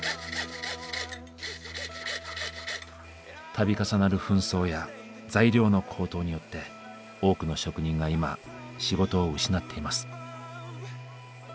度重なる紛争や材料の高騰によって多くの職人が今仕事を失っています。